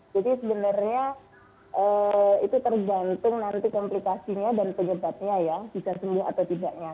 jadi sebenarnya itu tergantung nanti komplikasinya dan penyebabnya ya bisa sembuh atau tidaknya